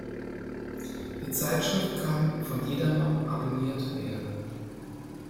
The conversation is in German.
Die Zeitschrift kann von jedermann abonniert werden.